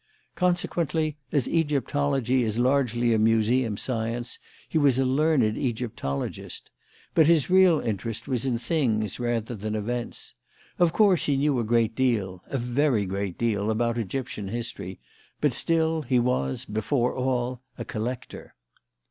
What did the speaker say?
Consequently, as Egyptology is largely a museum science, he was a learned Egyptologist. But his real interest was in things rather than events. Of course, he knew a great deal a very great deal about Egyptian history, but still he was, before all, a collector."